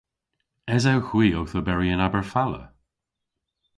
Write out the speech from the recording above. Esewgh hwi owth oberi yn Aberfala?